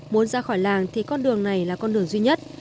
muốn ra khỏi làng thì con đường này là con đường duy nhất